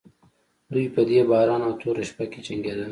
دوی په دې باران او توره شپه کې جنګېدل.